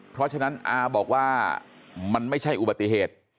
เพราะฉะนั้นอาบอกว่ามันไม่ใช่อุบัติเหตุ